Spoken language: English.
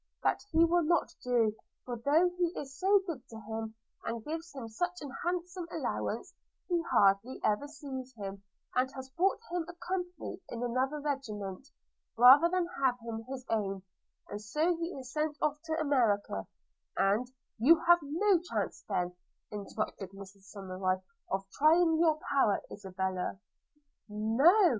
That he will not do; for though he is so good to him, and gives him such an handsome allowance, he hardly ever sees him, and has bought him a company in another regiment, rather than have him in his own, and so he is sent off to America – and –' 'You have no chance then,' interrupted Mrs Somerive, 'of trying your power, Isabella?' 'No!'